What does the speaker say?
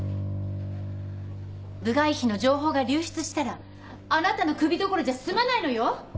部外秘の情報が流出したらあなたのクビどころじゃ済まないのよ！